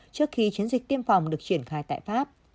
trước khi chiến dịch tiêm phòng được triển khai tại pháp